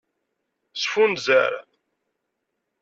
Sfunzer.